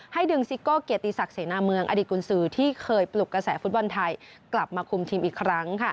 ดึงซิโก้เกียรติศักดิเสนาเมืองอดีตกุญสือที่เคยปลุกกระแสฟุตบอลไทยกลับมาคุมทีมอีกครั้ง